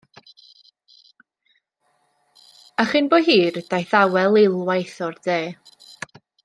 A chyn bo hir daeth awel eilwaith o'r de.